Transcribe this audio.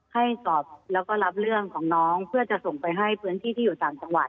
ให้สอบแล้วก็รับเรื่องของน้องเพื่อจะส่งไปให้พื้นที่ที่อยู่ต่างจังหวัด